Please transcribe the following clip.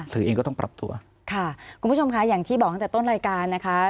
สื่อเองก็ต้องปรับตัวค่ะคุณผู้ชมค่ะอย่างที่บอกตั้งแต่ต้นรายการนะคะ